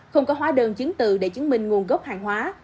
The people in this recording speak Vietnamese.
không có hóa đơn chiến tự để chứng minh nguồn gốc hàng hóa